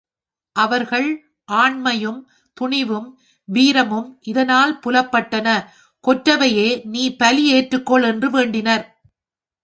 அவர்கள் ஆண்மையும், துணிவும், வீரமும் இதனால் புலப்பட்டன கொற்றவையே நீ பலி ஏற்றுக் கொள் என்று வேண்டினர்.